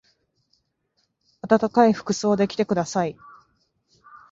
あたたかい服装で来てください。